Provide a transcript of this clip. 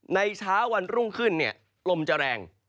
เช้าวันรุ่งขึ้นลมจะแรง